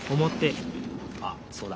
あっそうだ。